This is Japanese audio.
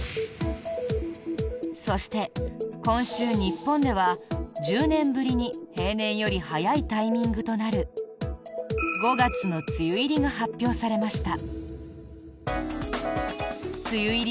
そして今週、日本では１０年ぶりに平年より早いタイミングとなる５月の梅雨入りが発表されました。